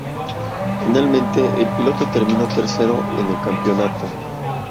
Finalmente, el piloto terminó tercero en el campeonato.